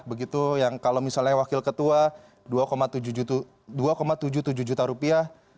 begitu yang kalau misalnya wakil ketua dua tujuh puluh tujuh juta rupiah